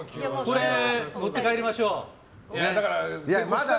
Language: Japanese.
これ、持って帰りましょう。